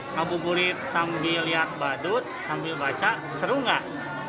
ngabuburit sambil lihat badut sambil baca seru gak